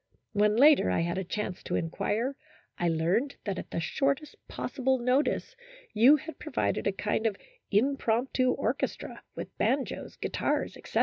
When later, I had a chance to inquire, I learned that at the shortest possible notice you had provided a kind of im promptu orchestra, with banjos, guitars, etc.